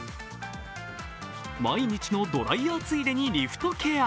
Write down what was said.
毎日のドライヤーついでにリフトケア。